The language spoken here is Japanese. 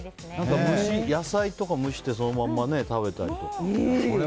野菜とか蒸してそのまま食べたりとか。